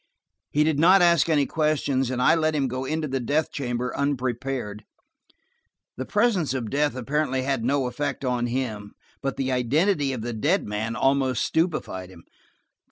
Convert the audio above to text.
He did not ask any questions, and I let him go into the death chamber unprepared. The presence of death apparently had no effect on him, but the identity of the dead man almost stupefied him.